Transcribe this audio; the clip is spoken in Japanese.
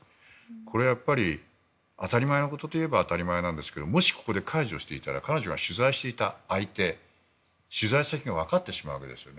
これはやっぱり当たり前のことと言えば当たり前なんですがもしここで解除していたら彼女が取材していた相手取材先がわかってしまうわけですよね。